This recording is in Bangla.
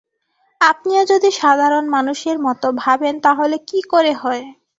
আপনিও যদি সাধারণ মানুষের মতো ভাবেন তাহলে কি করে হয়?